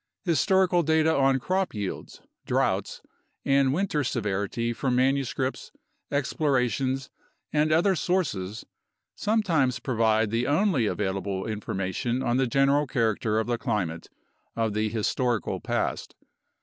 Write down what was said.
Historical data on crop yields, droughts, and winter severity from manuscripts, explorations, and other sources sometimes provide the only available information on the general character of the climate of the historical past.